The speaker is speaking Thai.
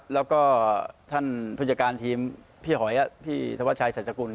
แล้วก็ท่านผู้จัดการทีมพี่หอยพี่ธวัชชัยสัจกุล